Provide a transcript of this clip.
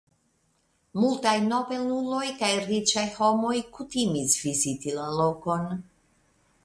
Multaj nobeluloj kaj riĉaj homoj kutimis viziti la lokon.